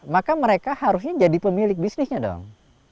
maka mereka harusnya jadi pemilik bisnisnya dong